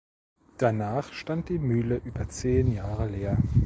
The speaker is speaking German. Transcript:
Danach stand die Mühle über zehn Jahre leer.